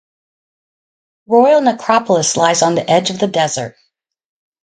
The royal necropolis lies on the edge of the desert.